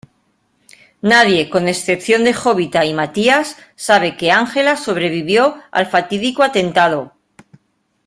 Nadie, con excepción de Jovita y Matías sabe que Ángela sobrevivió al fatídico atentado.